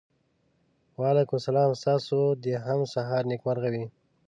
وعلیکم سلام ستاسو د هم سهار نېکمرغه وي.